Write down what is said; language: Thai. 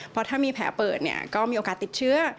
เพราะถ้ามีแผลเปิดเนี่ยก็มีโอกาสติดเชื้อ